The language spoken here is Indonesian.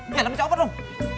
iya lempar cowoknya dong